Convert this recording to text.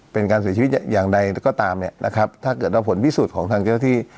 เป็นการเสียชีวิตอย่างใดก็ตามเนี่ยนะครับถ้าเกิดว่าผลพิสูจน์ของทางเจ้าที่